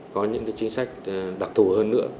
có những chính sách đặc thù hơn nữa